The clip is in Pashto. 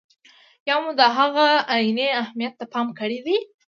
یا مو د هغه عیني اهمیت ته پام کړی دی.